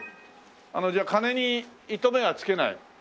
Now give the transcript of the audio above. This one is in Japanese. じゃあ金に糸目は付けない。